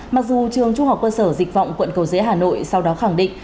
mặc dù trường trung học quân sở dịch vọng quận cầu dế hà nội sau đó khẳng định